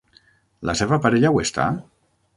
La seva parella ho està?